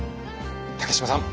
竹島さん